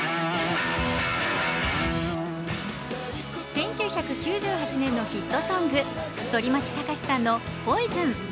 １９９８年のヒットソング反町隆史さんの「ＰＯＩＳＯＮ」。